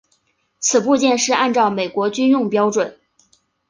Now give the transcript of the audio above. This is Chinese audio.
此部件是按照美国军用标准。